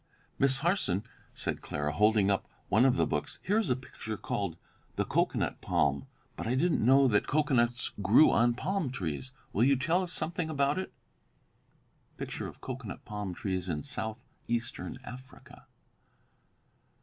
"Miss Harson," said Clara, holding up one of the books, "here is a picture called 'the cocoanut palm,' but I didn't know that cocoanuts grew on palm trees. Will you tell us something about it?" [Illustration: COCOANUT PALM TREES IN SOUTH EASTERN AFRICA.